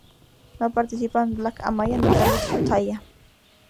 No participan Black Amaya ni Carlos Cutaia.